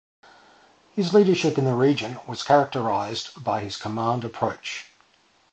His leadership in the region was characterized by his command approach.